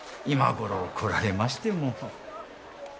今頃来られましても。